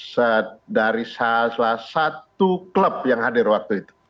dan dari salah satu klub yang hadir waktu itu